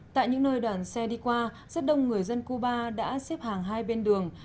tại những nơi đoàn xe đi qua rất đông người dân cuba đã xếp hàng hai bên đường